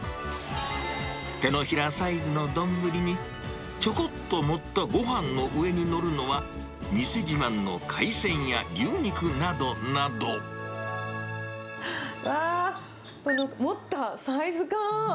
手のひらサイズの丼に、ちょこっと盛ったごはんの上に載るのは、店自慢の海鮮や牛肉などわー、この持ったサイズ感。